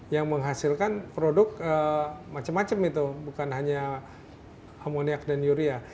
yang menghasilkan produk macam macam itu bukan hanya amoniak dan yuria